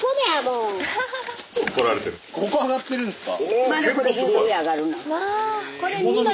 ここ上がってるんすか？